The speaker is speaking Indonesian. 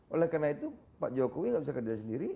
oleh karena itu pak jokowi nggak bisa kerja sendiri